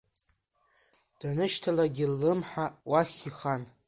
Данышьҭалагьы ллымҳа уахь ихан.